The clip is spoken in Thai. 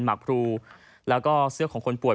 หักพรูแล้วก็เสื้อของคนป่วย